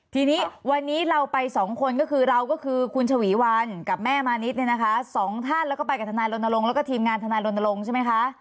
ทีนี้วันนี้เราไปสองคนก็คือเราก็คือคุณฉวีวันกับแม่มานิดเนี่ยนะคะสองท่านแล้วก็ไปกับทนายรณรงค์แล้วก็ทีมงานทนายรณรงค์ใช่ไหมคะ